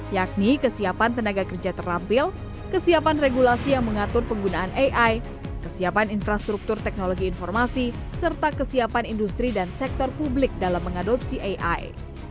yakni kesiapan tenaga kerja terampil kesiapan regulasi yang mengatur penggunaan ai kesiapan infrastruktur teknologi informasi serta kesiapan industri dan sektor publik dalam mengadopsi ai